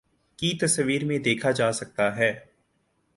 کی تصاویر میں دیکھا جاسکتا ہے